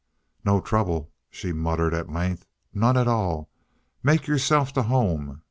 "No trouble," she muttered at length. "None at all. Make yourself to home, Mr. Hollis!"